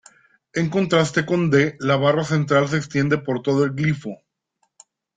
En contraste con Ð la barra central se extiende por todo el glifo.